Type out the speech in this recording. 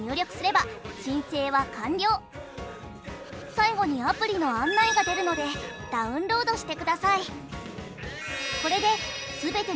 最後にアプリの案内が出るのでダウンロードしてください。